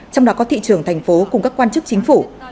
trong đó có thị trường thành phố cùng các quan chức chính phủ